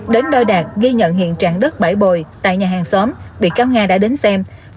đến nơi đạt ghi nhận hiện trạng đất bãi bồi tại nhà hàng xóm bị cáo nga đã đến xem